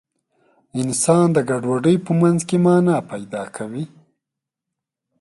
انسان د ګډوډۍ په منځ کې مانا پیدا کوي.